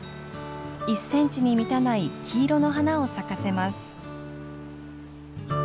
１センチに満たない黄色の花を咲かせます。